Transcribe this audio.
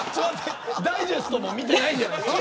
ダイジェストも見てないんじゃないですか。